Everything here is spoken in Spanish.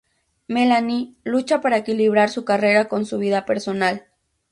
Melanie lucha para equilibrar su carrera con su vida personal.